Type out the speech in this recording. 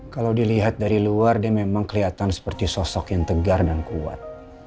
kalau dilihat dari luar dia memang kelihatan seperti sosok yang tegar dan kuat